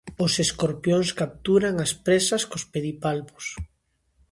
Os escorpións capturan as presas cos pedipalpos.